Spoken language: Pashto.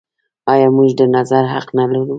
آیا موږ د نظر حق نلرو؟